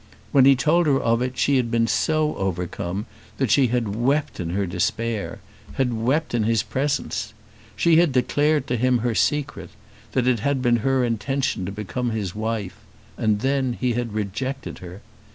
When he told her of it she had been so overcome that she had wept in her despair; had wept in his presence. She had declared to him her secret, that it had been her intention to become his wife, and then he had rejected her!